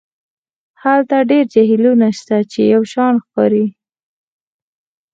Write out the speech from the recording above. هلته ډیر جهیلونه شته چې یو شان ښکاري